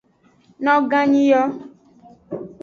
Noganyi yo.